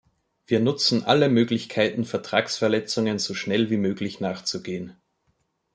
Wir nutzen alle Möglichkeiten, Vertragsverletzungen so schnell wie möglich nachzugehen.